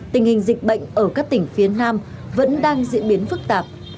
tình hình dịch bệnh ở các tỉnh phía nam vẫn đang diễn biến phức tạp